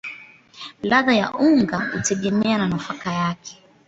Ladha ya unga hutegemea na nafaka yake.